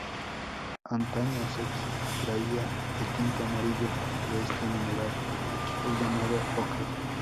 Antaño se extraía el tinte amarillo de este mineral, el llamado ocre.